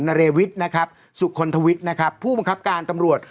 นาเรวิทนะครับสุคลทวิทย์นะครับผู้บังคับการตำรวจ